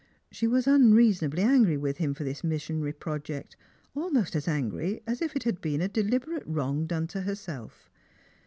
She was unreasonably angry with him for this mis sionary project, almost as angry as if it had been a deliberate wrong done to herself.